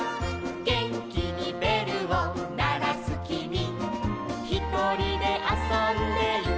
「げんきにべるをならすきみ」「ひとりであそんでいたぼくは」